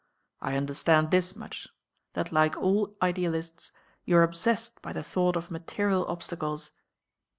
"I understand this much, that like all idealists you are obsessed by the thought of material obsta des.